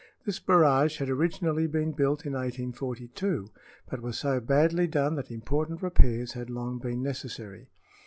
This barrage had originally been built in 1842, but was so badly done that important repairs had long been necessary.